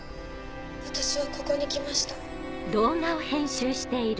私はここに来ました。